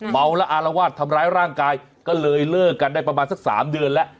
เมาและอารวาสทำร้ายร่างกายก็เลยเลิกกันได้ประมาณสัก๓เดือนแล้ว